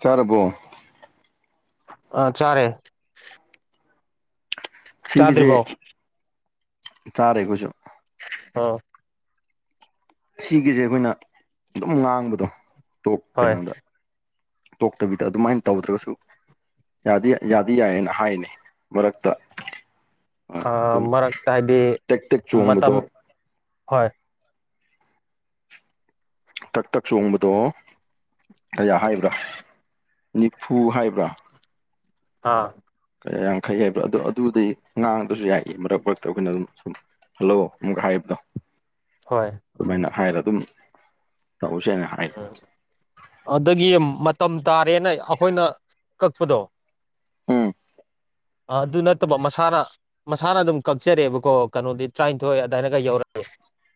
ꯆꯥꯔꯕꯣ ꯑ ꯆꯔꯦ ꯁꯤꯒꯤꯁꯦ ꯆꯥꯔꯦꯀꯣꯏꯁꯨ ꯑ ꯁꯤꯒꯤꯁꯦ ꯑꯩꯈꯣꯏꯅ ꯑꯗꯨꯝ ꯉꯥꯡꯕꯗꯣ ꯇꯣꯛ ꯍꯣꯏ ꯀꯩꯅꯣꯗ ꯇꯣꯛꯇꯕꯤꯗ ꯑꯗꯨꯃꯥꯏꯅ ꯇꯧꯗ꯭ꯔꯒꯁꯨ ꯌꯥꯗꯤ ꯌꯥꯗꯤ ꯌꯥꯏꯑꯅ ꯍꯥꯏꯅꯤ ꯃꯔꯛꯇ ꯑꯥ ꯑꯗꯨꯝ ꯃꯔꯛꯇ ꯍꯥꯏꯗꯤ ꯇꯦꯛ ꯇꯦꯛ ꯆꯣꯡꯕꯗꯣ ꯃꯇꯝ ꯍꯣꯏ ꯇꯛ ꯇꯛ ꯆꯣꯡꯕꯗꯣ ꯀꯌꯥ ꯍꯥꯏꯕ꯭ꯔꯥ ꯅꯤꯐꯨ ꯍꯥꯏꯕ꯭ꯔꯥ ꯍꯥꯥ ꯀꯩ ꯌꯥꯝꯈꯩ ꯍꯥꯏꯕ ꯑꯗꯨ ꯑꯗꯨꯗꯤ ꯉꯥꯡꯗꯨꯁꯨ ꯌꯥꯏ ꯃꯔꯛ ꯃꯔꯛꯇ ꯑꯩꯈꯣꯏꯅ ꯑꯗꯨꯝ ꯁꯨꯝ ꯍꯜꯂꯣ ꯑꯃꯨꯛ ꯍꯥꯏꯕꯗꯣ ꯍꯣꯏ ꯑꯗꯨꯃꯥꯏꯅ ꯍꯥꯏꯔ ꯑꯗꯨꯝ ꯇꯧꯎꯁꯦ ꯍꯥꯏꯅ ꯍꯥꯏ ꯎꯝ ꯑꯗꯒꯤ ꯃꯇꯝ ꯇꯥꯔꯦꯅ ꯑꯩꯈꯣꯏꯅ ꯀꯛꯄꯗꯣ ꯎꯝ ꯑꯗꯨ ꯅꯠꯇꯕ ꯃꯁꯥꯅ ꯃꯁꯥꯅ ꯑꯗꯨꯝ ꯀꯛꯆꯔꯦꯕꯀꯣ ꯀꯩꯅꯣꯗꯤ ꯇꯔꯥꯅꯤꯊꯣꯏ ꯑꯗꯨꯏꯅꯒ ꯌꯧꯔꯛꯗꯤ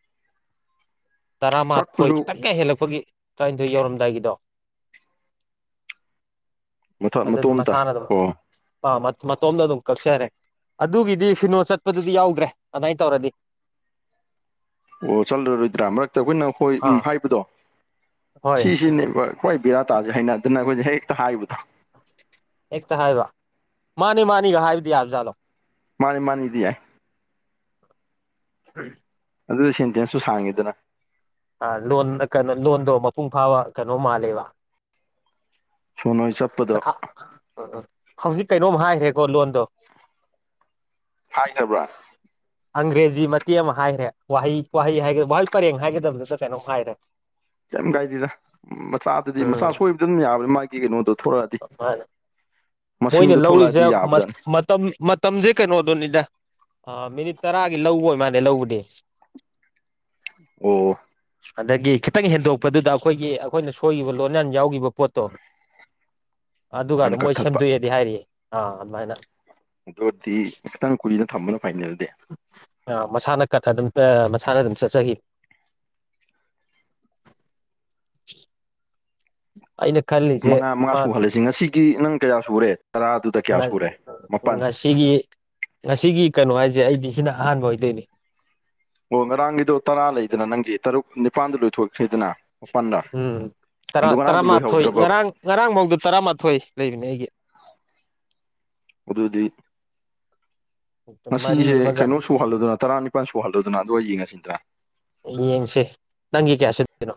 [unintelligible] ꯇꯔꯥꯃꯥꯊꯣꯏ ꯀꯛꯄꯁꯨ ꯈꯤꯇꯪꯒ ꯍꯦꯜꯂꯛꯄꯒꯤ ꯇꯔꯥꯅꯤꯊꯣꯏ ꯌꯧꯔꯝꯗꯥꯏꯒꯤꯗꯣ ꯃꯊ ꯑꯗꯨꯗꯤ ꯃꯇꯣꯝꯇ ꯃꯁꯥꯅ ꯑꯗꯨꯝ ꯑꯣ ꯑ ꯃꯇꯣꯝꯗ ꯑꯗꯨꯝ ꯀꯛꯆꯔꯦ ꯑꯗꯨꯒꯤꯗꯤ ꯁꯤꯅꯣ ꯆꯠꯄꯗꯨꯗꯤ ꯌꯥꯎꯗ꯭ꯔꯦ ꯑꯗꯨꯃꯥꯏꯅ ꯇꯧꯔꯗꯤ ꯫ ꯑꯣ ꯆꯠꯂꯔꯣꯏꯗ꯭ꯔꯥ ꯃꯔꯛꯇ ꯑꯩꯈꯣꯏꯅ ꯍꯣꯏ ꯑꯥ ꯍꯥꯏꯕꯗꯣ ꯍꯣꯏ ꯁꯤꯁꯤꯅꯦꯕ ꯍꯣꯏ ꯕꯤꯔꯥ ꯇꯥꯁꯦ ꯍꯩꯅꯗꯅꯕꯁꯦ ꯍꯦꯛꯇ ꯍꯥꯏꯕꯗꯣ ꯍꯦꯛꯇ ꯍꯥꯏꯕ ꯃꯥꯅꯤ ꯃꯥꯅꯤꯒ ꯍꯥꯏꯕꯁꯨ ꯌꯥꯕꯖꯥꯠꯂꯣ ꯃꯥꯅꯤ ꯃꯥꯅꯤꯗꯤ ꯌꯥꯏ [unintelligible] ꯑꯗꯨ ꯁꯦꯟꯇꯦꯟꯁꯁꯨ ꯁꯥꯡꯉꯤꯗꯅ ꯑ ꯂꯣꯟ ꯀꯩꯅꯣ ꯂꯣꯟꯗꯣ ꯃꯄꯨꯡ ꯐꯥꯕ ꯀꯩꯅꯣ ꯃꯥꯜꯂꯦꯕ ꯐꯣꯟꯅ [unintelligible] ꯎ ꯍꯧꯖꯤꯛ ꯀꯩꯅꯣꯝ ꯍꯥꯏꯈ꯭ꯔꯦꯀꯣ ꯂꯣꯟꯗꯣ ꯍꯥꯏꯈꯔꯥ ꯕ꯭ꯔ ꯑꯪꯒ꯭ꯔꯦꯖꯤ ꯃꯇꯦ ꯑꯃ ꯍꯥꯏꯔꯦ ꯋꯥꯍꯩ ꯋꯥꯍꯩ ꯍꯥꯏꯒ ꯋꯥꯍꯩ ꯄꯔꯦꯡ ꯍꯥꯏꯒꯗꯕꯗꯁꯨ ꯀꯩꯅꯣ ꯍꯥꯏꯔꯦ ꯀꯩꯝ ꯀꯥꯏꯗꯗ ꯃꯆꯥꯗꯨꯗꯤ ꯃꯆꯥ ꯎꯝ ꯁꯣꯏꯕꯗꯨ ꯑꯗꯨꯝ ꯌꯥꯕꯅꯤ ꯃꯥꯒꯤ ꯀꯩꯅꯣꯗꯣ ꯊꯣꯛꯂꯛꯑꯗꯤ ꯃꯥꯅꯦ ꯃꯣꯏꯅ ꯃꯁꯤꯡꯗꯣ ꯂꯧꯔꯤꯁꯦ ꯊꯣꯛꯂꯛꯑꯗꯤ ꯌꯥꯕꯖꯥꯠꯅꯤ ꯃꯇꯝ ꯃꯇꯝꯁꯦ ꯀꯩꯅꯣꯗꯨꯅꯤꯗ ꯑꯝ ꯃꯤꯅꯤꯠ ꯇꯔꯥꯒꯤ ꯂꯧꯕ ꯑꯣꯏꯕ ꯃꯥꯜꯅꯦ ꯂꯧꯕꯗꯤ ꯑꯣ ꯑꯗꯒꯤ ꯈꯤꯇꯪ ꯍꯦꯟꯗꯣꯛꯄꯗꯨꯗ ꯑꯩꯈꯣꯏꯒꯤ ꯑꯩꯈꯣꯏꯅ ꯁꯣꯏꯈꯤꯕ ꯂꯣꯟꯌꯥꯟ ꯌꯥꯎꯈꯤꯕ ꯄꯣꯠꯇꯣ ꯑꯗꯨꯒ ꯃꯣꯏꯅ ꯃꯣꯏ ꯀꯛꯊꯠꯄ ꯁꯦꯝꯗꯣꯛꯑꯦꯗꯤ ꯍꯥꯏꯔꯤꯌꯦ ꯑꯥ ꯑꯗꯨꯃꯥꯏꯅ ꯑꯗꯨꯗꯤ ꯈꯤꯇꯪ ꯀꯨꯏꯗ ꯊꯝꯕꯅ ꯐꯥꯏꯅꯦ ꯑꯗꯨꯗꯤ ꯑ ꯃꯁꯥꯅ ꯀꯛꯑꯗꯨꯝ ꯃꯁꯥꯅ ꯑꯗꯨꯝ ꯆꯠꯆꯈꯤ ꯑꯩꯅ ꯈꯜꯂꯤꯁꯦ ꯃꯉꯥ ꯃꯉꯥ ꯃꯥ ꯁꯨꯍꯜꯂꯁꯤ ꯉꯁꯤꯒꯤ ꯅꯪ ꯀꯌꯥ ꯁꯨꯔꯦ ꯇꯔꯥꯗꯨ ꯉꯁꯤꯒꯤ ꯉꯁꯤꯒꯤ ꯀꯩꯅꯣ ꯍꯥꯏꯁꯦ ꯑꯩꯗꯤ ꯁꯤꯅ ꯑꯍꯥꯟꯕ ꯑꯣꯏꯗꯣꯏꯅꯤ ꯑꯣ ꯉꯔꯥꯡꯒꯤꯗꯣ ꯇꯔꯥ ꯂꯩꯗꯅ ꯅꯪꯒꯤ ꯇꯔꯨꯛ ꯅꯤꯄꯥꯟꯗ ꯂꯣꯏꯊꯣꯛꯁꯤꯗꯅ ꯫ ꯎꯝ ꯇꯔꯥꯃꯥꯊꯣꯏ ꯂꯣꯏꯍꯧꯗ꯭ꯔꯕꯕ ꯉꯔꯥꯡ ꯉꯔꯥꯡꯐꯧꯗ ꯇꯔꯥꯃꯥꯊꯣꯏ ꯂꯩꯕꯅꯦ ꯑꯩꯒꯤ ꯑꯗꯨꯗꯤ ꯃꯔꯤ ꯉꯁꯤꯁꯦ ꯑꯃꯒ ꯀꯩꯅꯣ ꯁꯨꯍꯜꯂꯗꯅ ꯇꯔꯥꯅꯤꯄꯥꯜ ꯁꯨꯍꯜꯂꯣꯗꯅ ꯑꯗꯨꯒ ꯑꯩ ꯌꯦꯡꯉꯁꯤꯗ꯭ꯔꯥ ꯌꯦꯡꯁꯦ ꯅꯪꯒꯤ ꯀꯌꯥ ꯁꯠꯇꯣꯏꯅꯣ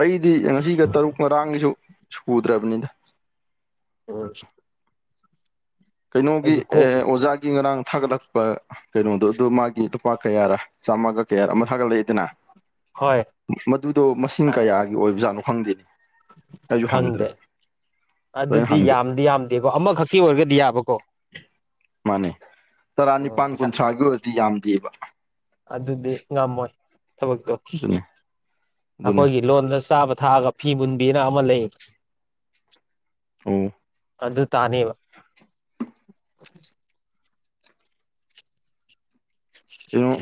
ꯑꯩꯗꯤ ꯉꯁꯤꯒ ꯇꯔꯨꯛ ꯉꯔꯥꯡꯒꯤꯁꯨ ꯁꯨꯗ꯭ꯔꯕꯅꯤꯗ ꯑꯣ ꯀꯩꯅꯣꯒꯤ ꯑꯦ ꯀꯣꯛ ꯑꯣꯖꯥꯒꯤ ꯉꯔꯥꯡ ꯊꯥꯒꯠꯂꯛꯄ ꯀꯩꯅꯣꯗꯣ ꯑꯗꯨ ꯃꯥꯒꯤ ꯂꯨꯄꯥ ꯀꯌꯥꯔ ꯆꯥꯝꯃꯒ ꯀꯌꯥꯔ ꯑꯃ ꯊꯥꯒꯠꯂꯛꯏꯗꯅ ꯍꯣꯏ ꯃꯗꯨꯗꯣ ꯃꯁꯤꯡ ꯀꯌꯥꯒꯤ ꯑꯣꯏꯕꯖꯥꯠꯅꯣ ꯈꯪꯗꯦꯅꯦ ꯑꯩꯁꯨ ꯈꯪꯗꯦ ꯍꯪꯗ꯭ꯔꯦ ꯂꯣꯏꯅ ꯑꯗꯨꯗꯤ ꯍꯪꯗꯦ ꯌꯥꯝꯗꯤ ꯌꯥꯝꯗꯦꯀꯣ ꯑꯃꯈꯛꯀꯤ ꯑꯣꯏꯔꯒꯗꯤ ꯌꯥꯕꯀꯣ ꯃꯥꯅꯦ ꯎꯝ ꯇꯔꯥꯅꯤꯄꯥꯥꯟ ꯄꯩꯁꯥ ꯀꯨꯟꯊ꯭ꯔꯥꯒꯤ ꯑꯣꯏꯔꯗꯤ ꯌꯥꯝꯗꯦꯕ ꯑꯗꯨꯗꯤ ꯉꯝꯃꯣꯏ ꯊꯕꯛꯇꯣ ꯑꯗꯨꯅꯤ ꯑꯗꯨꯅꯤ ꯑꯩꯈꯣꯏꯒꯤ ꯂꯣꯟꯗ ꯆꯥꯕ ꯊꯛꯑꯒ ꯐꯤ ꯃꯨꯟꯕꯤꯅ ꯑꯃ ꯂꯩꯌꯦ ꯑꯣ ꯑꯗꯨ ꯇꯥꯅꯦꯕ ꯌꯦꯉꯣ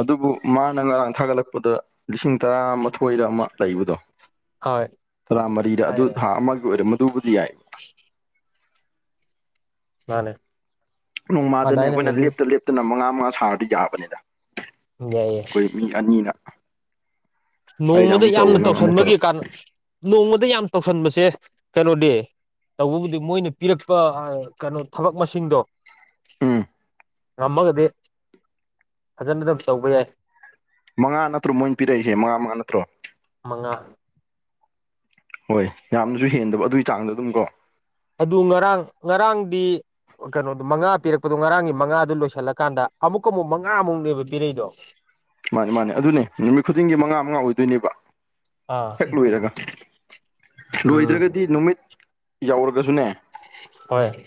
ꯑꯗꯨꯕꯨ ꯃꯥꯅ ꯉꯔꯥꯡ ꯊꯥꯒꯠꯂꯛꯄꯗ ꯂꯤꯁꯤꯡ ꯇꯔꯥ ꯃꯥꯊꯣꯏꯔ ꯑꯃ ꯂꯩꯕꯗꯣ ꯍꯣꯏ ꯇꯔꯥꯃꯔꯤꯗ ꯑꯗꯨ ꯍꯥꯏꯔꯦ ꯊꯥ ꯑꯃꯒꯤ ꯑꯣꯏꯔꯝ ꯃꯗꯨꯕꯨꯗꯤ ꯌꯥꯏ [unintelligible] ꯅꯣꯡꯃꯥꯗꯅꯦ ꯑꯗꯥꯏꯅ ꯑꯩꯈꯣꯏꯅ ꯑꯗꯨꯝ ꯂꯦꯞꯇ ꯂꯦꯞꯇꯅ ꯃꯉꯥ ꯃꯉꯥ ꯁꯥꯔꯗꯤ ꯌꯥꯕꯅꯤꯗ ꯌꯥꯏꯌꯦꯏ ꯑꯅꯤꯔꯛ ꯅꯣꯡꯃꯗ ꯌꯥꯝꯅ ꯅꯪ ꯑꯃꯨꯛ ꯇꯧꯔꯛ ꯇꯧꯁꯟꯕꯒꯤ ꯀꯥꯟ ꯅꯣꯡꯃꯗ ꯌꯥꯝ ꯇꯧꯁꯟꯕꯁꯦ ꯀꯩꯅꯣꯗꯤ ꯇꯧꯕꯕꯨꯗꯤ ꯃꯣꯏꯅ ꯄꯤꯔꯛꯄ ꯀꯩꯅꯣ ꯊꯕꯛ ꯃꯁꯤꯡꯗꯣ ꯎꯝ ꯉꯝꯃꯒꯗꯤ ꯐꯖꯅ ꯑꯗꯨꯝ ꯇꯧꯕ ꯌꯥꯏ ꯃꯉꯥ ꯅꯠꯇ꯭ꯔꯣ ꯃꯣꯏꯅ ꯄꯤꯔꯛꯏꯦ ꯃꯉꯥ ꯃꯉꯥ ꯅꯠꯇ꯭ꯔꯣ ꯃꯉꯥ ꯍꯣꯏ ꯌꯥꯝꯅꯁꯨ ꯍꯦꯟꯗꯕ ꯑꯗꯨꯒꯤ ꯆꯥꯡꯗ ꯑꯗꯨꯝ ꯀꯣ ꯑꯗꯨ ꯉꯔꯥꯡ ꯉꯔꯥꯡꯗꯤ ꯀꯩꯅꯣꯗꯣ ꯃꯉꯥ ꯄꯤꯔꯛꯄꯗꯣ ꯉꯔꯥꯡꯒꯤ ꯃꯉꯥꯗꯨ ꯂꯣꯏꯁꯤꯜꯂꯀꯥꯟꯗ ꯑꯃꯨꯛꯀ ꯑꯃꯨꯛ ꯃꯉꯥꯃꯨꯛꯅꯦꯕ ꯄꯤꯔꯏꯗꯣ ꯃꯥꯅꯤ ꯃꯥꯅꯦ ꯑꯗꯨꯅꯦ ꯅꯨꯃꯤꯠ ꯈꯨꯗꯤꯡꯒꯤ ꯃꯉꯥ ꯃꯉꯥ ꯑꯣꯏꯗꯣꯏꯅꯦꯕ ꯑꯥ ꯍꯦꯛ ꯂꯣꯏꯔꯒ ꯎꯝ ꯂꯣꯏꯗ꯭ꯔꯒꯗꯤ ꯅꯨꯃꯤꯠ ꯌꯧꯔꯒꯁꯨꯅꯦ ꯍꯣꯏ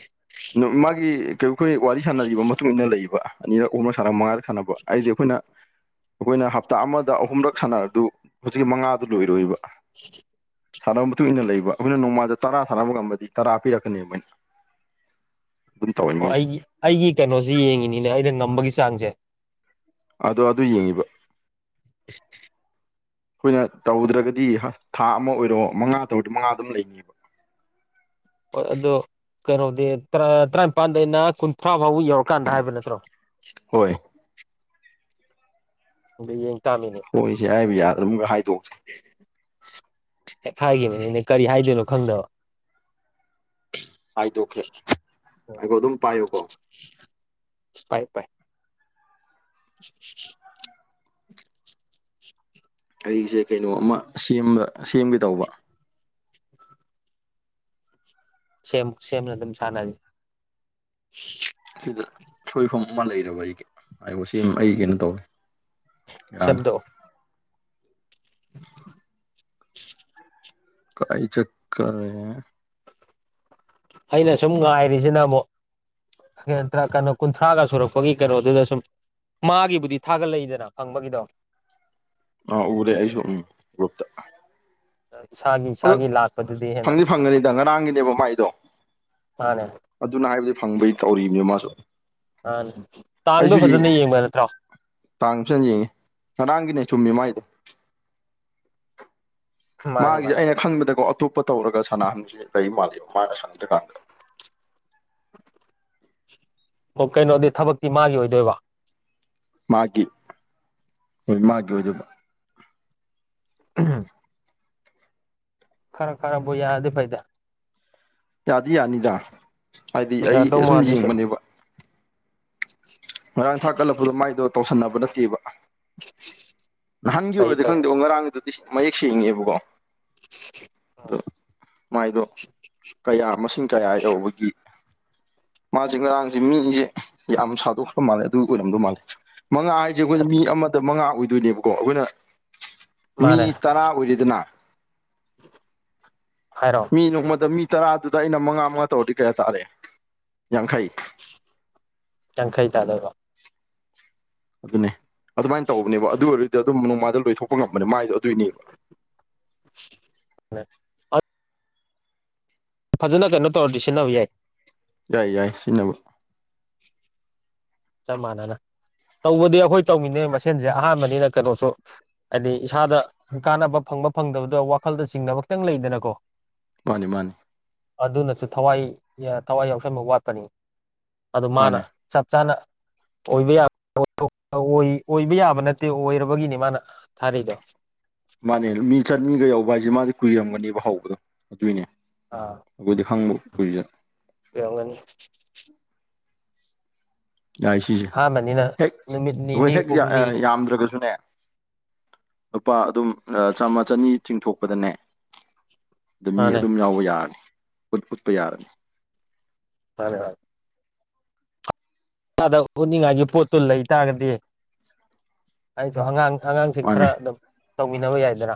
ꯃꯥꯒꯤ ꯀ ꯑꯩꯈꯣꯏ ꯋꯥꯔꯤ ꯁꯥꯟꯅꯔꯤꯕ ꯃꯇꯨꯡ ꯏ ꯃꯇꯨꯡꯏꯟꯅ ꯂꯩꯕ ꯑꯅꯤꯔ ꯑꯣꯅ ꯁꯥꯟꯅ ꯃ ꯁꯥꯟꯅꯕ ꯍꯥꯏꯗꯤ ꯑꯩꯈꯣꯏꯅ ꯑꯩꯈꯣꯏꯅ ꯍꯞꯇꯥ ꯑꯃꯗ ꯑꯍꯨꯝꯔꯛ ꯁꯥꯟꯅꯔꯗꯨ ꯍꯧꯖꯤꯛꯀꯤ ꯃꯉꯥꯗꯨ ꯂꯣꯏꯔꯣꯏꯕ [inaudible] ꯁꯥꯟꯅꯕ ꯃꯇꯨꯡ ꯏꯟꯅ ꯂꯩꯕ ꯑꯩꯈꯣꯏꯅ ꯅꯣꯡꯃꯜꯗ ꯇꯔꯥ ꯁꯥꯟꯅꯕ ꯉꯝꯕꯗꯤ ꯇꯔꯥ ꯄꯤꯔꯛꯀꯅꯤ ꯑꯗꯨꯃꯥꯏꯅ ꯑꯣ ꯑꯩꯒꯤ ꯑꯩꯒꯤ ꯀꯩꯅꯣꯁꯤ ꯌꯦꯡꯉꯤꯅꯤꯅꯦ ꯑꯩꯅ ꯉꯝꯕꯒꯤ ꯆꯥꯡꯁꯦ ꯑꯗꯣ ꯑꯗꯨ ꯌꯦꯡꯉꯤꯕ [inaudible] ꯑꯩꯈꯣꯏꯅ ꯇꯧꯗ꯭ꯔꯒꯗꯤ ꯊꯥ ꯑꯃ ꯑꯣꯏꯔꯣ ꯃꯉꯥ ꯇꯧꯔꯗꯤ ꯃꯉꯥ ꯑꯗꯨꯝ ꯂꯩꯅꯤꯕ ꯍꯣꯏ ꯑꯗꯨꯣ ꯀꯩꯅꯣꯗꯤ ꯇꯔꯥꯅꯤꯄꯥꯟꯗ ꯑꯩꯅ ꯀꯨꯟꯊ꯭ꯔꯥ ꯐꯥꯎꯕ ꯌꯧꯔꯀꯥꯟꯗ ꯍꯥꯏꯕ ꯅꯠꯇ꯭ꯔꯣ ꯍꯣꯏ ꯑꯗ ꯌꯦꯡ ꯇꯥꯃꯤꯅꯦ ꯍꯣꯏꯁꯦ ꯍꯥꯏꯕ ꯌꯥ ꯑꯗꯨꯝ ꯍꯥꯏꯗꯣꯛꯁꯦ ꯍꯦꯛ ꯍꯥꯏꯈꯤꯕꯈꯤꯕꯅꯦꯅꯦ ꯀꯔꯤ ꯍꯥꯏꯗꯣꯏꯅꯣ ꯈꯪꯗꯕ ꯍꯥꯏꯗꯣꯛꯈ꯭ꯔꯦ ꯎꯝ ꯍꯥꯏꯗꯣ ꯑꯗꯨꯝ ꯄꯥꯏꯌꯨꯀꯣ ꯄꯥꯏ ꯄꯥꯏ [unintelligible] ꯑꯩꯁꯦ ꯀꯩꯅꯣ ꯑꯃ ꯁꯦꯝꯕ ꯁꯦꯝꯒꯦ ꯇꯧꯕ ꯁꯦꯝ ꯁꯦꯝꯅ ꯑꯗꯨꯝ ꯁꯥꯟꯅꯁꯤ ꯁꯤꯗ ꯁꯣꯏꯐꯝ ꯑꯃ ꯂꯩꯔꯕ ꯑꯩꯒꯤ ꯍꯥꯏꯕꯨ ꯁꯤ ꯑꯩ ꯀꯩꯅꯣ ꯇꯧꯋꯦ ꯁꯕꯗꯣ [inaudible] ꯀꯩ ꯆꯀ꯭ꯔꯦ ꯑꯩꯅ ꯁꯨꯝ ꯉꯥꯏꯔꯤꯁꯤꯅ ꯑꯃꯨꯛ ꯀꯩꯅꯣ ꯀꯨꯟꯊ꯭ꯔꯥꯒ ꯁꯨꯔꯛꯄꯒꯤ ꯀꯩꯅꯣꯗꯨꯗ ꯁꯨꯝ ꯃꯥꯒꯤꯕꯨꯗꯤ ꯊꯥꯒꯠꯂꯛꯏꯗꯅ ꯈꯪꯕꯒꯤꯗꯣ ꯑꯥ ꯎꯔꯦ ꯑꯩꯁꯨ ꯎꯝ ꯒ꯭ꯔꯨꯞꯇ ꯏꯁꯒꯤ ꯑ ꯐꯪꯅꯤ ꯐꯪꯒꯅꯤꯗ ꯉꯔꯥꯡꯒꯤꯅꯦꯕ ꯃꯥꯏꯗꯣ ꯃꯥꯅꯦ ꯑꯗꯨꯅ ꯍꯥꯏꯕꯗꯤ ꯐꯪꯕꯩ ꯇꯧꯔꯤꯕꯅꯤ ꯃꯥꯁꯨ ꯑ ꯇꯥꯡꯗꯣ ꯑꯩꯁꯨ ꯌꯦꯡꯉꯦ ꯐꯖꯅ ꯌꯦꯡꯕ ꯅꯠꯇ꯭ꯔꯣ ꯇꯥꯡ ꯐꯖꯅ ꯌꯦꯡꯉꯤ ꯉꯔꯥꯡꯒꯤꯅꯦ ꯆꯨꯝꯃꯤ ꯃꯥꯏꯗꯣ ꯃꯥꯅꯦ ꯃꯥꯒꯤꯁꯦ ꯃꯥꯅꯦ ꯑꯩꯅ ꯈꯪꯕꯗꯀꯣ ꯑꯇꯣꯞꯄ ꯇꯧꯔꯒ ꯁꯅꯥꯍꯟꯁ ꯂꯩ ꯃꯥꯜꯜꯂꯤꯦꯕ ꯃꯥꯅ ꯁꯥꯟꯗ꯭ꯔꯀꯥꯟꯗ [inaudible] ꯑꯣ ꯀꯩꯅꯣꯗꯤ ꯊꯕꯛꯇꯤ ꯃꯥꯒꯤ ꯑꯣꯏꯗꯣꯏꯕ ꯃꯥꯀꯤ ꯃꯥꯀꯤ ꯑꯣꯏ ꯎ ꯈꯔ ꯈꯔꯕꯨ ꯌꯥꯗꯦ ꯐꯩꯗꯦ ꯌꯥꯗꯤ ꯌꯥꯅꯤꯗ ꯍꯥꯏꯗꯤ ꯑꯩ ꯌꯥꯗꯧ ꯑꯁꯨꯝ ꯃꯥꯜꯂꯤꯁꯨ ꯌꯦꯡꯕꯅꯦꯕ ꯉꯔꯥꯡ ꯊꯥꯛ ꯀꯠꯂꯛꯄꯗꯣ ꯃꯥꯏꯗꯣ ꯇꯧꯁꯟꯅꯕ ꯅꯠꯇꯦꯕ ꯅꯍꯥꯟꯒꯤ ꯐꯩ ꯑꯣꯏꯔꯗꯤ ꯐꯩ ꯈꯪꯗꯦ ꯉꯔꯥꯡꯒꯤꯗꯗꯤ ꯃꯌꯦꯛ ꯁꯦꯡꯉꯦꯕꯀꯣ ꯑ ꯃꯥꯏꯗꯣ ꯀꯌꯥ ꯃꯁꯤꯡ ꯀꯌꯥ ꯌꯧꯕꯒꯤ ꯃꯥꯁꯦ ꯉꯔꯥꯡꯁꯦ ꯃꯤꯁꯦ ꯌꯥꯝ ꯁꯥꯗꯣꯛꯈ ꯃꯥꯜꯂꯦ ꯑꯗꯨ ꯑꯣꯏꯅꯝꯗꯧ ꯃꯥꯜꯂꯦ ꯃꯉꯥ ꯍꯥꯏꯁꯦ ꯑꯩꯈꯣꯏ ꯃꯤ ꯑꯃꯗ ꯃꯉꯥ ꯑꯣꯏꯗꯣꯏꯅꯦꯕꯀꯣ ꯑꯩꯈꯣꯏꯅ ꯃꯤ ꯃꯥꯅꯦ ꯇꯔꯥ ꯑꯣꯏꯔꯤꯗꯅ ꯐꯥꯏꯔꯣꯟ ꯃꯤ ꯅꯣꯡꯃꯗ ꯃꯤ ꯇꯔꯥꯗꯨꯗ ꯑꯩꯅ ꯃꯉꯥ ꯃꯉꯥ ꯇꯧꯔꯗꯤ ꯀꯌꯥ ꯇꯥꯔꯦꯦ ꯌꯥꯡꯈꯩ ꯌꯥꯡꯈꯩ ꯇꯥꯗꯣꯏꯕ ꯑꯗꯨꯅꯦ ꯑꯗꯨꯃꯥꯏꯅ ꯇꯧꯕꯅꯦꯕ ꯑꯗꯨ ꯑꯣꯏꯔꯗꯤ ꯑꯗꯨꯝ ꯅꯣꯡꯃꯥꯏꯗ ꯂꯣꯏꯊꯣꯛꯄ ꯉꯝꯕꯅꯦ ꯃꯥꯏꯗꯣ ꯑꯗꯨꯏꯅꯦꯕ ꯎ ꯐꯖꯅ ꯀꯩꯅꯣ ꯇꯧꯔꯗꯤ ꯁꯤꯖꯤꯟꯅꯕ ꯌꯥꯏ ꯌꯥꯏ ꯌꯥꯏ ꯁꯤꯖꯤꯟꯅꯕ ꯆꯞ ꯃꯥꯟꯅꯅ ꯇꯧꯕꯗꯤ ꯑꯩꯈꯣꯏ ꯇꯧꯃꯤꯅꯦ ꯃꯁꯦꯟꯁꯦ ꯑꯍꯥꯟꯕꯅꯤꯅ ꯀꯩꯅꯣꯁꯨ ꯍꯥꯏꯗꯤ ꯏꯁꯥꯗ ꯀꯥꯟꯅꯕ ꯐꯪꯕ ꯐꯪꯗꯕꯗꯣ ꯋꯥꯈꯜꯗ ꯆꯤꯡꯅꯕ ꯈꯈꯤꯇꯪ ꯂꯩꯗꯅꯀꯣ ꯃꯥꯅꯤ ꯃꯥꯅꯤ ꯑꯗꯨꯅꯁꯨ ꯊꯋꯥꯏ ꯊꯋꯥꯏ ꯌꯥꯎꯁꯟꯕ ꯋꯥꯠꯄꯅꯤ ꯑꯗꯨ ꯃꯥꯅ ꯃꯥꯅꯦ ꯆꯞ ꯆꯥꯅ ꯑꯣꯏꯕ ꯌꯥ ꯑꯣꯏꯕ ꯌꯥꯕ ꯅꯠꯇꯦ ꯑꯣꯏꯔꯕꯒꯤꯅꯤ ꯃꯥꯅ ꯊꯥꯔꯤꯗꯣ ꯃꯥꯅꯦ ꯃꯤ ꯆꯅꯤꯒ ꯌꯧꯕ ꯍꯥꯏꯁꯦ ꯃꯥꯗꯤ ꯀꯨꯏꯔꯝꯒꯅꯦꯕ ꯍꯧꯕꯗꯣ ꯑꯗꯨꯏꯅꯦ ꯑꯩꯈꯣꯏꯗꯤ ꯍꯪꯕ ꯀꯨꯏꯁꯦ ꯌꯥꯎꯒ ꯌꯥꯏ ꯁꯤꯁꯦ ꯑꯍꯥꯟꯕꯅꯤꯅ ꯍꯦꯛ ꯅꯨꯃꯤꯠ ꯑꯩꯈꯣꯏ ꯅꯤꯅꯤ ꯍꯦꯛ ꯍꯨꯝꯅꯤ ꯌꯥꯝꯗ꯭ꯔꯒꯁꯨꯅꯦ ꯂꯨꯄꯥ ꯑꯗꯨꯝ ꯆꯥꯝꯃ ꯆꯅꯤ ꯆꯤꯡꯊꯣꯛꯄꯗꯅꯦ ꯑ ꯃꯤ ꯃꯥꯅꯦ ꯑꯗꯨꯝ ꯌꯥꯎꯕ ꯌꯥꯔꯅꯤ ꯎꯠꯄ ꯌꯥꯔꯅꯤ ꯐꯔꯦ ꯍ ꯏꯁꯥꯗ ꯎꯠꯅꯤꯡꯉꯥꯏꯒꯤ ꯄꯣꯠꯇꯨ ꯂꯩꯇꯥꯥꯔꯒꯗꯤ ꯑꯩꯁꯨꯣ ꯑꯉꯥꯡ ꯑꯉꯥꯡꯁꯤꯡ ꯈꯔ ꯃꯥꯅꯦ ꯑꯗꯨꯝ ꯇꯧꯃꯤꯟꯅꯕ ꯌꯥꯏꯗꯔ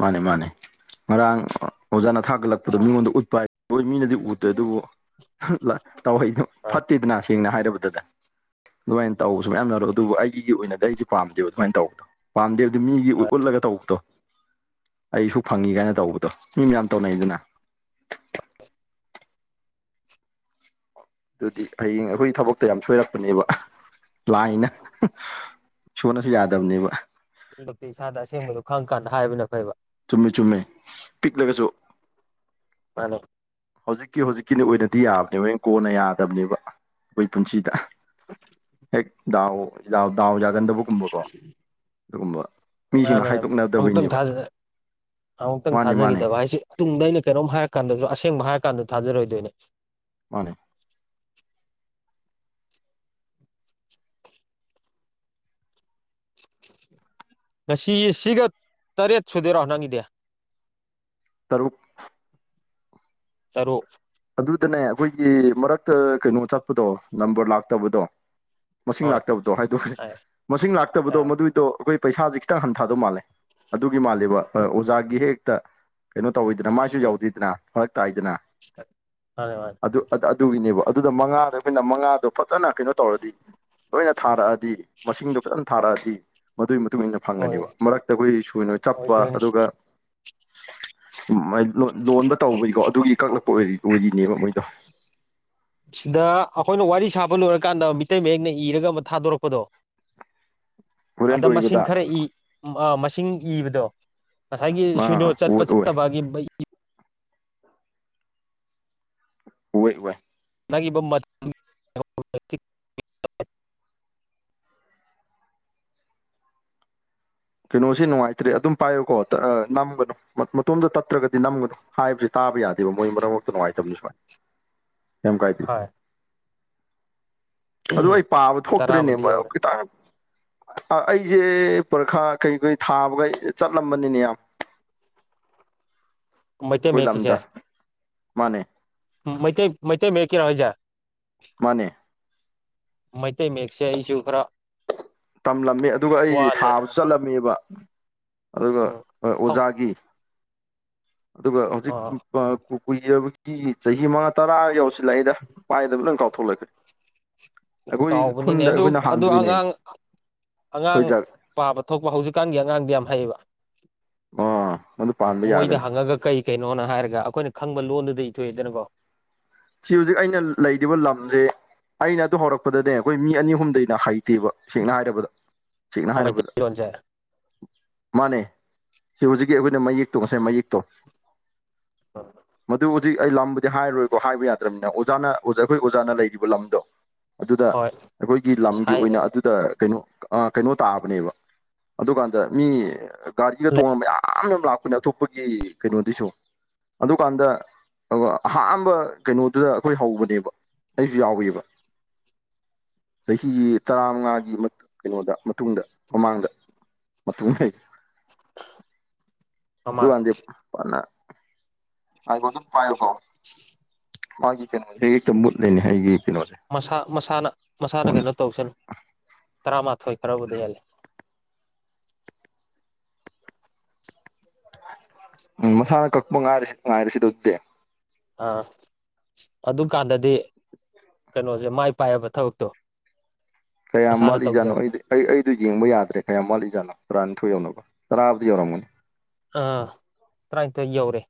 ꯃꯥꯅꯦ ꯃꯥꯅꯦ ꯉꯔꯥꯡ ꯑꯣꯖꯥꯅ ꯊꯥꯒꯠꯂꯛꯄꯗꯣ ꯃꯤꯉꯣꯟꯗ ꯎꯠꯄ ꯍꯥꯏ ꯍꯣꯏ ꯃꯤꯅꯗꯤ ꯎꯗ꯭ꯔꯦ ꯑꯗꯨꯕꯨ ꯇꯍ ꯐꯠꯇꯦꯗꯅ ꯁꯦꯡꯅ ꯍꯥꯏꯔꯕꯗꯨꯗ ꯑꯗꯨꯃꯥꯏꯅ ꯇꯧꯕꯁꯨ ꯃꯌꯥꯝ ꯌꯥꯎꯔꯑꯣ ꯑꯗꯨꯕꯨ ꯑꯩꯒꯤ ꯑꯣꯏꯅꯗꯤ ꯑꯩꯁ ꯄꯥꯝꯗꯦꯕ ꯑꯗꯨꯃꯥꯏꯅ ꯇꯧꯕꯗꯣ ꯄꯥꯝꯗꯦꯕꯗꯤ ꯃꯤꯒꯤ ꯎꯠꯂꯒ ꯇꯧꯕꯛꯇꯣ ꯑꯩꯁꯨ ꯐꯪꯏꯤ ꯀꯥꯏꯅ ꯇꯧꯕꯗꯣ ꯃꯤ ꯃꯌꯥꯝ ꯇꯧꯅꯩꯗꯅ [inaudible] ꯑꯗꯨꯗꯤ ꯍꯌꯦꯡ ꯑꯩꯈꯣꯏꯒꯤ ꯊꯕꯛꯇ ꯌꯥꯝ ꯁꯣꯏꯔꯛꯄꯅꯦꯕ ꯂꯥꯏꯅ ꯁꯣꯟꯅꯁꯨ ꯌꯥꯗꯕꯅꯦꯕ ꯑꯩꯃꯛꯇꯤ ꯏꯁꯥꯗ ꯑꯁꯦꯡꯕꯗꯣ ꯈꯪ ꯀꯥꯟꯗ ꯍꯥꯏꯕꯅ ꯐꯩꯕ ꯆꯨꯝꯃꯦ ꯆꯨꯝꯃꯦ ꯄꯤꯛꯂꯒꯁꯨ ꯃꯥꯅꯦ ꯍꯧꯖꯤꯛꯀꯤ ꯍꯧꯖꯤꯛꯀꯤꯅꯤ ꯑꯣꯏꯅꯗꯤ ꯌꯥꯕꯅꯦ ꯍꯣꯏ ꯀꯣꯟꯅ ꯌꯥꯗꯕꯅꯦꯕ ꯑꯩꯈꯣꯏ ꯄꯨꯟꯁꯤꯗ [inaudible] ꯍꯦꯛ ꯗꯥꯎ ꯗꯥꯎ ꯌꯥꯒꯟꯗꯕꯒꯨꯝꯕꯀꯣ ꯑꯗꯨꯒꯨꯝꯕ ꯃꯤꯁꯤꯡꯅ ꯃꯥꯅ ꯑꯃꯨꯛꯇꯪ ꯍꯥꯏꯗꯣꯛꯅꯗꯕꯩꯅꯦꯕ ꯊꯥꯖ ꯑꯃꯨꯛꯇꯪ ꯃꯥꯅꯦ ꯃꯥꯅꯦ ꯊꯥꯖꯈꯤꯗꯕ ꯍꯥꯏꯁꯦ ꯇꯨꯡꯗ ꯑꯩꯅ ꯀꯩꯅꯣꯝ ꯍꯥꯏꯔ ꯀꯥꯟꯗꯁꯨ ꯑꯁꯦꯡꯕ ꯍꯥꯏꯔ ꯀꯥꯟꯗ ꯊꯥꯖꯔꯣꯏꯗꯣꯏꯅꯦ ꯃꯥꯅꯦ ꯉꯁꯤ ꯁꯤꯒ ꯇꯔꯦꯠ ꯁꯨꯗꯦꯔꯣ ꯅꯪꯒꯤꯗꯤ ꯇꯔꯨꯛ ꯇꯔꯣ ꯑꯗꯨꯗꯅꯦ ꯑꯩꯈꯣꯏꯒꯤ ꯃꯔꯛꯇ ꯀꯩꯅꯣ ꯆꯠꯄꯗꯣ ꯅꯝꯕꯔ ꯂꯥꯛꯇꯕꯗꯣ ꯃꯁꯤꯡ ꯍꯣꯏ ꯂꯥꯛꯇꯕꯗꯣ ꯍꯥꯏꯗꯣꯛꯦ ꯃꯁꯤꯡ ꯂꯥꯛꯇꯕꯗꯣ ꯑꯥ ꯃꯗꯨꯏꯗꯣ ꯑꯩꯈꯣꯏ ꯄꯩꯁꯥꯁꯦ ꯈꯤꯇꯪ ꯍꯟꯊꯥꯗꯧ ꯃꯥꯜꯂꯦ ꯑꯗꯨꯒꯤ ꯃꯥꯜꯂꯦꯕ ꯑꯣꯖꯥꯒꯤ ꯍꯦꯛ ꯍꯦꯛꯇ ꯀꯩꯅꯣ ꯇꯧꯋꯤꯗꯅ ꯃꯥꯏꯁꯨ ꯌꯥꯎꯗꯦꯗꯅ ꯐꯔꯛ ꯇꯥꯏꯗꯅ ꯐꯔꯦ ꯐ ꯑꯗꯨ ꯑꯗꯨꯒꯤꯅꯦꯕ ꯑꯗꯨꯗ ꯃꯉꯥꯗ ꯑꯩꯈꯣꯏꯅ ꯃꯉꯥꯗꯣ ꯐꯖꯅ ꯀꯩꯅꯣ ꯇꯧꯔꯗꯤ ꯂꯣꯏꯅ ꯊꯥꯔꯛꯑꯗꯤ ꯃꯁꯤꯡꯗꯣ ꯐꯖꯅ ꯊꯥꯔꯛꯑꯗꯤ ꯃꯗꯨꯒꯤ ꯃꯇꯨꯡ ꯃꯇꯨꯡꯏꯟꯅ ꯍꯣꯏ ꯐꯪꯒꯅꯦꯕ ꯃꯔꯛꯇ ꯑꯩꯈꯣꯏ ꯁꯣꯏꯅ ꯆꯞꯄ ꯑꯣꯏꯗꯣꯏꯅꯦ ꯑꯗꯨꯒ ꯂꯣꯟꯕ ꯇꯧꯕꯒꯤꯀꯣ ꯑꯗꯨꯒꯤ ꯀꯛꯂꯛꯄ ꯑꯣꯏꯔꯤꯅꯦꯕ ꯃꯣꯏꯗꯣ ꯁꯤꯗ ꯑꯩꯈꯣꯏꯅ ꯋꯥꯔꯤ ꯁꯥꯕ ꯂꯣꯏꯔꯀꯥꯟꯗ ꯃꯤꯇꯩ ꯃꯌꯦꯛꯅ ꯏꯔꯒ ꯑꯃ ꯊꯥꯗꯣꯔꯛꯄꯗꯣ ꯍꯣꯔꯦꯟ ꯑꯗ ꯃꯁꯤꯡ ꯂꯣꯏꯕꯗ ꯈꯔ ꯏ ꯃꯁꯤꯡ ꯏꯕꯗꯣ ꯉꯁꯥꯏꯒꯤ ꯑꯥ ꯁꯏꯅꯣ ꯆꯠꯄ ꯑꯣꯏ ꯑꯣꯏ ꯆꯠꯇꯕꯒꯤ ꯍꯣꯏ ꯑꯣꯏꯣꯏ ꯅꯪ ꯏꯕ ꯎ ꯀꯩꯅꯣꯁꯤ ꯅꯨꯡꯉꯥꯏꯇ꯭ꯔꯦ ꯑꯗꯨꯝ ꯄꯥꯏꯌꯨꯀꯣ ꯅꯝꯒꯅꯨ ꯃꯇꯣꯝꯗ ꯇꯠꯇ꯭ꯔꯒꯗꯤ ꯅꯝꯒꯅꯨ ꯍꯥꯏꯕꯁꯤ ꯇꯥꯕ ꯌꯥꯗꯦꯕ ꯃꯣꯏ ꯃꯔꯛ ꯃꯔꯛꯇ ꯅꯨꯡꯉꯥꯏꯇꯕꯅꯤ ꯁꯨꯃꯥꯏ ꯀꯩ ꯀꯥꯏꯗꯦ ꯍꯣꯏ ꯑꯗꯨ ꯑꯩ ꯄꯥꯕ ꯇꯔꯥꯕꯨꯗꯤ ꯊꯣꯛꯇ꯭ꯔꯤꯅꯦꯕ ꯌꯧꯔꯦ ꯈꯤꯇꯪ ꯑꯩꯁꯦ ꯄꯨꯔꯈꯥ ꯀꯩꯀꯩ ꯊꯥꯕꯒ ꯆꯠꯂꯝꯕꯅꯤꯅꯦ ꯌꯥꯝ ꯃꯩꯇꯩ ꯑꯩꯈꯣꯏ ꯃꯌꯦꯛꯀꯤꯁꯦ ꯂꯝꯗ ꯃꯥꯅꯦ ꯃꯩꯇꯩ ꯃꯩꯇꯩ ꯃꯦꯀꯤ ꯔꯣꯏꯖ ꯃꯥꯅꯦ ꯃꯩꯇꯩ ꯃꯌꯦꯛꯁꯦ ꯑꯩꯁꯨ ꯈꯔ ꯇꯝꯂꯝꯃꯤ ꯑꯗꯨꯒ ꯑꯩ ꯋꯥꯠꯂꯦ ꯊꯥꯕꯁꯨ ꯆꯠꯂꯝꯃꯦꯕ ꯑꯗꯨꯒ ꯎꯝ ꯍꯧ ꯑꯣꯖꯥꯒꯤ ꯑꯗꯨꯒ ꯍꯧꯖꯤꯛ ꯑꯥ ꯀꯨꯏꯔꯕꯒꯤ ꯆꯍꯤ ꯃꯉꯥ ꯇꯔꯥ ꯌꯧꯁꯤꯜꯂꯛꯑꯏꯗ ꯄꯥꯏꯗꯕ ꯅꯪ ꯀꯥꯎꯊꯣꯛꯂꯛꯈ꯭ꯔꯦ ꯑꯩꯈꯣꯏ ꯀꯥꯎꯕꯅꯤꯅꯦ ꯈꯨꯟꯗ ꯑꯗꯨ ꯑꯩꯈꯣꯏꯅ ꯑꯗꯨ ꯍꯥꯡꯗꯣꯏꯅꯦ ꯑꯉꯥꯡ ꯑꯉꯥꯡ ꯄꯥꯕ ꯊꯣꯛꯄ ꯍꯧꯖꯤꯛꯀꯥꯟꯒꯤ ꯑꯉꯥꯡꯗꯤ ꯌꯥꯝ ꯍꯩꯌꯦꯕ ꯑꯥ ꯃꯗꯨ ꯄꯥꯟꯕ ꯌꯥꯒꯅꯤ ꯃꯣꯏꯗ ꯍꯪꯉꯒ ꯀꯩ ꯀꯩꯅꯣꯅ ꯍꯥꯏꯔꯒ ꯑꯩꯈꯣꯏꯅ ꯈꯪꯕ ꯂꯣꯟꯗꯨꯗ ꯏꯊꯣꯛꯑꯦꯗꯅꯀꯣ ꯁꯤ ꯍꯧꯖꯤꯛ ꯑꯩꯅ ꯂꯩꯔꯤꯕ ꯂꯝꯁꯦ ꯑꯩꯅ ꯑꯗꯨ ꯍꯧꯔꯛꯄꯗꯅꯦ ꯑꯩꯈꯣꯏ ꯃꯤ ꯑꯅꯤ ꯑꯍꯨꯝꯗꯩꯅ ꯍ ꯇꯤꯕ ꯁꯦꯡꯅ ꯍꯥꯏꯔꯕꯗ ꯁꯦꯡꯅ ꯍꯥꯏꯔꯕꯗ ꯃꯩꯇꯩꯂꯣꯟꯁꯦ ꯃꯥꯅꯦ ꯁꯤ ꯍꯧꯖꯤꯛꯀꯤ ꯑꯩꯈꯣꯏꯅ ꯃꯌꯦꯛꯇꯣ ꯉꯁꯥꯏ ꯃꯌꯦꯛꯇꯣ꯫ ꯃꯗꯨ ꯍꯧꯖꯤꯛ ꯑꯩ ꯂꯥꯝꯕꯨꯗꯤ ꯍꯥꯏꯔꯣꯏ꯫ ꯑꯣ ꯍꯥꯏꯕ ꯌꯥꯗ꯭ꯔꯕꯅꯤꯅ ꯑꯣꯖꯥꯅ ꯑꯣꯖꯥ ꯑꯩꯈꯣꯏ ꯑꯣꯖꯥꯅ ꯂꯩꯔꯤꯕ ꯂꯝꯗꯣ꯫ ꯑꯗꯨꯗ ꯍꯣꯏ ꯑꯩꯈꯣꯏꯒꯤ ꯂꯝꯒꯤ ꯁꯥꯏꯔꯦ ꯑꯣꯏꯅ ꯑꯗꯨꯗ ꯀꯩꯅꯣ ꯑ ꯀꯩꯅꯣ ꯇꯥꯕꯅꯦꯕ꯫ ꯑꯗꯨꯀꯥꯟꯗ ꯃꯤ ꯒꯥꯔꯤꯒ ꯇꯣꯡꯑ ꯃꯌꯥꯝ ꯑꯃ ꯂꯥꯛꯄꯅꯦ ꯑꯇꯣꯞꯄꯒꯤ ꯀꯩꯅꫭꯗꯩꯁꯨ꯫ ꯑꯗꯨꯀꯥꯟꯗ ꯑ ꯑꯍꯥꯟꯕ ꯀꯩꯅꯣꯗꯨꯗ ꯑꯈꯣꯏ ꯍꯧꯕꯅꯦꯕ ꯑꯩꯁꯨ ꯌꯥꯎꯋꯦꯕ꯫ ꯆꯍꯤ ꯇꯔꯥꯃꯉꯥꯒꯤ ꯀꯩꯅꯣꯗ ꯃꯇꯨꯡꯗ ꯃꯃꯥꯡꯗ꯫ ꯃ ꯑꯗꯨ ꯃꯃꯥꯡ ꯋꯥꯗꯦ ꯍꯥꯏꯕꯣ ꯑꯗꯨꯝ ꯄꯥꯏꯌꯣꯀꯣ ꯃꯥꯒꯤ ꯀꯩꯅꯣꯁꯦ ꯍꯦꯛꯇ ꯃꯨꯠꯂꯅꯤ ꯑꯩꯒꯤ ꯀꯩꯅꯣ ꯃꯁꯥ ꯃꯁꯥꯅ ꯃꯁꯥꯅ ꯀꯩꯅꯣ ꯇꯧꯁꯅꯨ ꯇꯔꯥꯃꯥꯊꯣꯏ ꯈꯔꯕꯨꯗ ꯍꯂꯦ ꯎꯝ ꯃꯁꯥꯅ ꯀꯛꯄ ꯉꯥꯏꯔꯤꯁꯤ ꯉꯥꯏꯔꯤꯁꯤ ꯑꯗꯨꯗꯦ ꯑꯥ ꯑꯗꯨꯀꯥꯟꯗꯗꯤ [inaudible] ꯀꯩꯅꯣꯁꯦ ꯃꯥꯏ ꯄꯥꯏꯑꯕ ꯊꯕꯛꯇꯣ ꯀꯌꯥꯝ ꯃꯁꯥꯅ ꯋꯥꯠꯂꯤꯖꯥꯅꯣ ꯇꯧꯖꯔ ꯑꯩꯗꯤ ꯑꯩ ꯑꯩꯗꯣ ꯌꯦꯡꯕ ꯌꯥꯗ꯭ꯔꯦ ꯀꯌꯥꯝ ꯋꯥꯚꯂꯤꯖꯥꯠꯅꯣ ꯇꯔꯥꯅꯤꯊꯣꯏ ꯌꯧꯅꯕ ꯇꯔꯥꯕꯨꯗꯤ ꯌꯧꯔꯝꯒꯅꯤ꯫ ꯑꯥ ꯇꯔꯥꯅꯤꯊꯣꯏ ꯌꯧꯔꯦ꯫